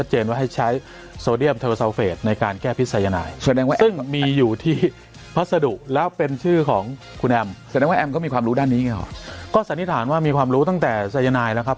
ขอให้ทุกคนได้รับความวิธีทำก็แล้วกันครับ